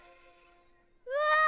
うわ！